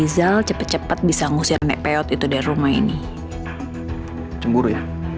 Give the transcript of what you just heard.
sampai jumpa di video selanjutnya